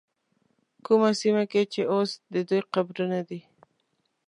کومه سیمه کې چې اوس د دوی قبرونه دي.